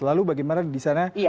lalu bagaimana di sana